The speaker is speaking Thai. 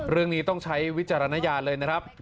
เรื่องนี้ต้องใช้วิจารณญาณเลยนะครับ